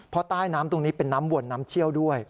เพราะใต้น้ำตรงนี้เป็นน้ำวนน้ำเชี่ยวด้วย